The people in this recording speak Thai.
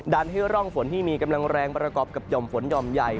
ให้ร่องฝนที่มีกำลังแรงประกอบกับห่อมฝนหย่อมใหญ่